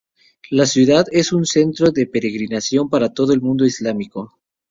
La ciudad es un centro de peregrinación para todo el mundo islámico.